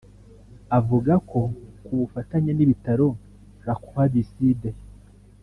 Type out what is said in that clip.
avuga ko ku bufatanye n’ibitaro La Croix du Sud